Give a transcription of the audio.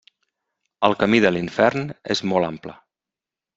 El camí de l'infern és molt ample.